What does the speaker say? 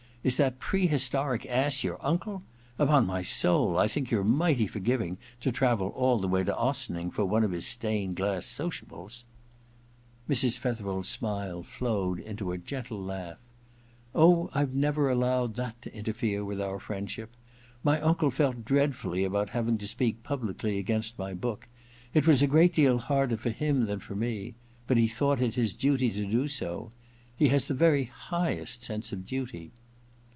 Is that pre historic ass your uncle ? Upon my soul, I think you're mighty forgiving to travel all the way to Ossining for one of his stained glass sociables I ' Mrs. Fetherel's smiles flowed into a gentle laugh. * Oh, I've never allowed that to mter fere with our friendship. My uncle felt dread fully about having to speak publicly against my book — ^it was a great deal harder for him than for me — but he thought it his duty to do so. He has the very highest sense of duty.'